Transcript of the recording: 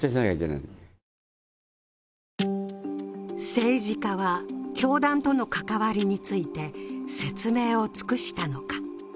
政治家は教団との関わりについて説明を尽くしたのか。